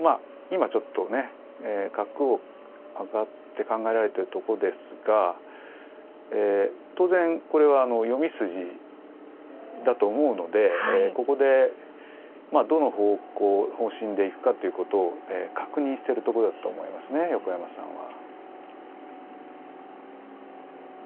今ちょっとね角を上がって考えられてるとこですが当然これは読み筋だと思うのでここでまあどの方針で行くかということを確認してるとこだと思いますね横山さんは。